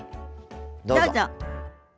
どうぞ。